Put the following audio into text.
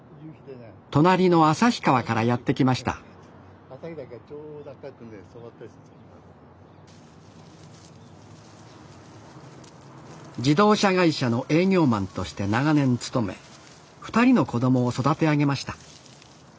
隣の旭川からやって来ました自動車会社の営業マンとして長年勤め２人の子供を育て上げました。